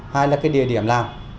hai là địa điểm làm